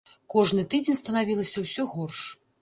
Кожны тыдзень станавілася ўсё горш.